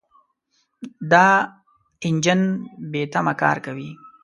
دا انجن بېتمه کار کوي.